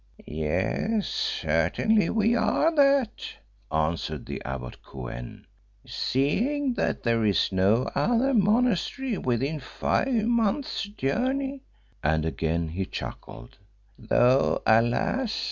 "Yes, certainly we are that," answered the abbot Kou en, "seeing that there is no other monastery within five months' journey," and again he chuckled, "though, alas!"